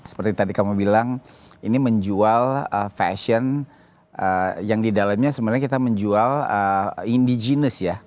seperti tadi kamu bilang ini menjual fashion yang di dalamnya sebenarnya kita menjual indigenous ya